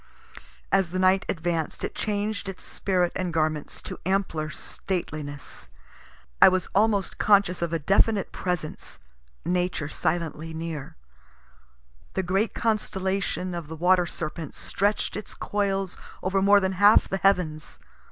As the night advanc'd it changed its spirit and garments to ampler stateliness. I was almost conscious of a definite presence, Nature silently near. The great constellation of the Water Serpent stretch'd its coils over more than half the heavens.